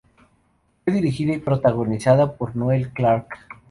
Fue dirigida y protagonizada por Noel Clarke.